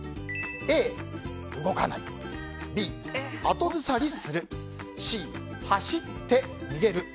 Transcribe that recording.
Ａ、動かないＢ、後ずさりするＣ、走って逃げる。